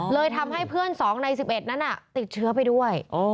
เลยทำให้เพื่อน๒ใน๑๑นั้นติดเชื้อไปด้วย